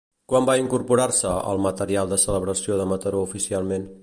Quan va incorporar-se al material de celebració de Mataró oficialment?